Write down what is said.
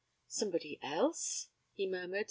'Somebody else?' he murmured.